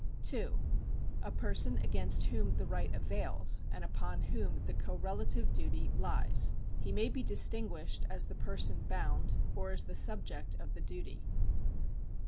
(2) A ijerson against whom the right avails, and upon whom the correlative duty lies. He may be distinguished as the person bound, or as the subject of the duty.